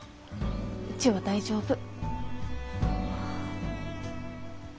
うちは大丈夫。